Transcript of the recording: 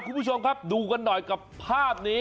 คุณผู้ชมครับดูกันหน่อยกับภาพนี้